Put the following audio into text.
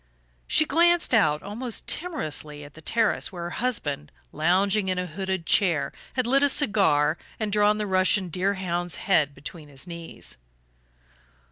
She glanced out almost timorously at the terrace where her husband, lounging in a hooded chair, had lit a cigar and drawn the Russian deerhound's head between his knees.